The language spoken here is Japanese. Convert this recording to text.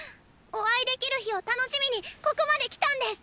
お会いできる日を楽しみにここまで来たんです！